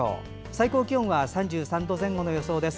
最高気温は３３度前後の予想です。